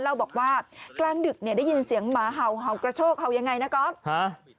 เล่าบอกว่ากลางดึกเนี่ยได้ยินเสียงหมาเห่าเห่ากระโชกเห่ายังไงนะครับ